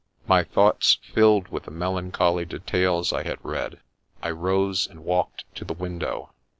My thoughts filled with the melancholy details I had read, I rose and walked to the window.